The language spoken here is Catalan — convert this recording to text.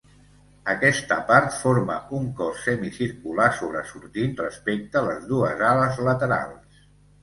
Aquesta part forma un cos semicircular sobresortint respecte les dues ales laterals.